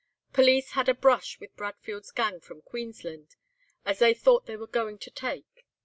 "'Police had a brush with Bradfield's gang from Queensland, as they thought they were going to take.